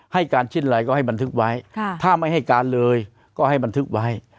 ให้การชิ้นอะไรก็ให้บันทึกไว้ถ้าไม่ให้การเลยก็ให้บันทึกไว้